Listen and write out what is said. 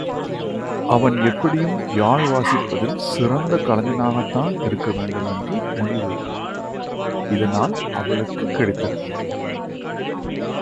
அவன் எப்படியும் யாழ் வாசிப்பதில் சிறந்த கலைஞனாகத்தான் இருக்க வேண்டும் என்ற முடிவு இதனால் அவளுக்குக் கிடைத்திருந்தது.